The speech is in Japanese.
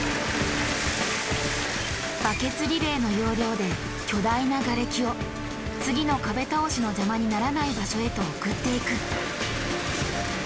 バケツリレーの要領で巨大なガレキを次の壁倒しの邪魔にならない場所へと送っていく。